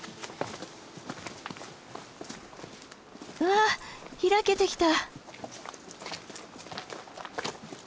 あっ開けてきた！